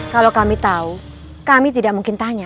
kalau kami tahu kami tidak mungkin tanya